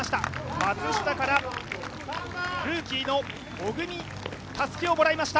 松下からルーキーの小汲、たすきをもらいました。